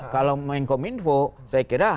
kalau menkom info saya kira